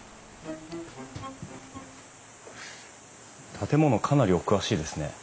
建物かなりお詳しいですね。